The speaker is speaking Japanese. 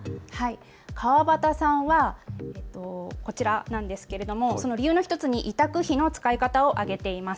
川端さんは、こちらなんですけれどもその理由の１つに委託費の使い方を挙げています。